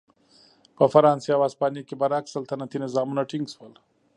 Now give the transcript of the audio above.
په فرانسې او هسپانیې کې برعکس سلطنتي نظامونه ټینګ شول.